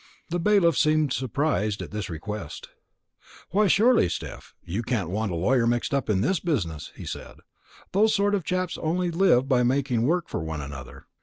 The bailiff seemed surprised at this request. "Why, surely, Steph, you can't want a lawyer mixed up in the business!" he said. "Those sort of chaps only live by making work for one another.